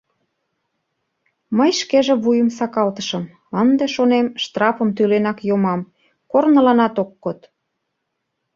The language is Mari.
Мый шкеже вуйым сакалтышым: ынде, шонем, штрафым тӱленак йомам, корныланат ок код.